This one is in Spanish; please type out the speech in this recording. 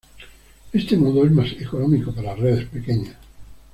Este modo es más económico para redes pequeñas.